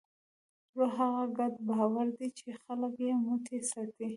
روح هغه ګډ باور دی، چې خلک یو موټی ساتي.